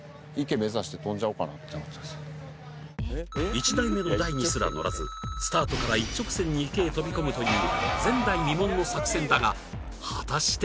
１枚目の台にすら乗らずスタートから一直線に池へ飛び込むという前代未聞の作戦だが果たして？